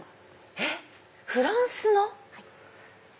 えっフランスの⁉